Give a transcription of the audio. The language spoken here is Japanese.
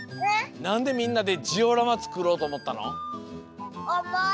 なんでみんなでジオラマつくろうとおもったの？